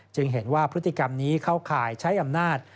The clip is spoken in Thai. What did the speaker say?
เห็นว่าพฤติกรรมนี้เข้าข่ายใช้อำนาจ